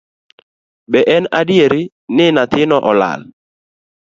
Be en adier ni nyathino olal